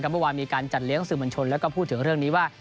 เมื่อวานมีการจัดเลี้ยงสื่อมวลชนแล้วก็พูดถึงเรื่องนี้ว่า